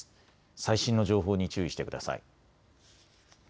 最新の情報に注意してください。